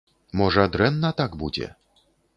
Можа, дрэнна так будзе?